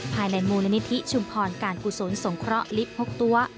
ภายในมูลนิธิชุมพรการกุศลสงเคราะห์ลิฟต์๖ตัว